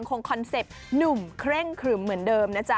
คอนเซ็ปต์หนุ่มเคร่งครึ่มเหมือนเดิมนะจ๊ะ